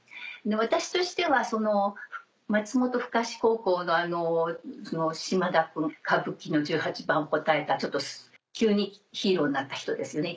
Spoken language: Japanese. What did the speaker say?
私としては松本深志高校の嶋田君歌舞伎の十八番を答えた急にヒーローになった人ですよね